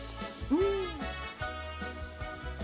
うん。